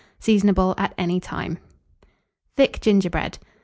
Seasonable at any time. THICK GINGERBREAD.